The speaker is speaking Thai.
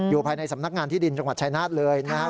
ภายในสำนักงานที่ดินจังหวัดชายนาฏเลยนะครับ